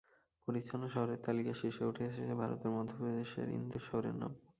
পরিচ্ছন্ন শহরের তালিকার শীর্ষে উঠে এসেছে ভারতের মধ্যপ্রদেশের ইন্দোর শহরের নাম।